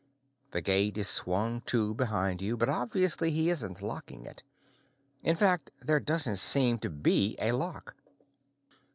The gate is swung to behind you, but obviously he isn't locking it. In fact, there doesn't seem to be a lock.